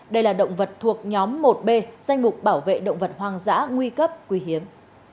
đây là động vật thuộc nhóm một b danh mục bảo vệ động vật hoang dã nguy cấp quý hiếm